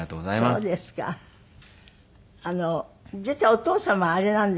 実はお父様あれなんですって？